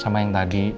sama yang tadi